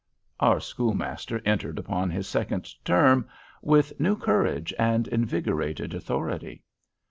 Our schoolmaster entered upon his second term with new courage and invigorated authority.